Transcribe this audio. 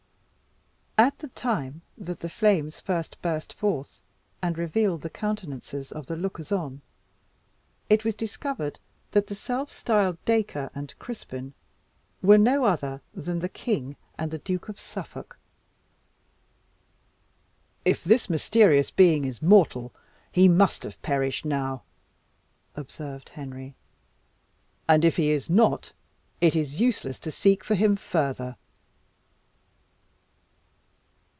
At the time that the flames first burst forth, and revealed the countenances of the lookers on, it was discovered that the self styled Dacre and Cryspyn were no other than the king and the Duke of Suffolk. "If this mysterious being is mortal, he must have perished now," observed Henry; "and if he is not, it is useless to seek for him further."